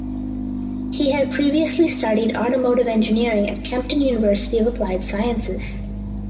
He had previously studied automotive engineering at Kempten University of Applied Sciences.